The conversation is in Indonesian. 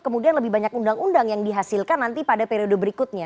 kemudian lebih banyak undang undang yang dihasilkan nanti pada periode berikutnya